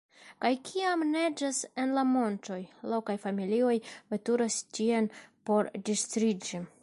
Kaj kiam neĝas en la montoj, lokaj familioj veturas tien por distriĝi.